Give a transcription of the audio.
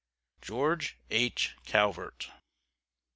GEORGE H. CALVERT.